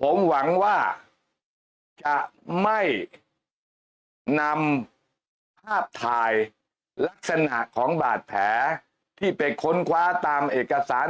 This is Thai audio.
ผมหวังว่าจะไม่นำภาพถ่ายลักษณะของบาดแผลที่ไปค้นคว้าตามเอกสาร